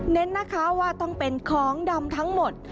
เน้นนะคะว่าต้องเป็นของดำทั้งหมด